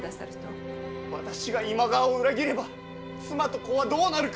私が今川を裏切れば妻と子はどうなるか！